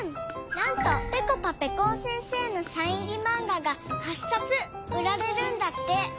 なんかぺこぱぺこお先生のサイン入りマンガが８さつうられるんだって。